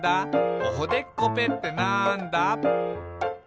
「おほでっこぺってなんだ？」